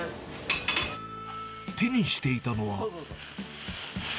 手にしていたのは。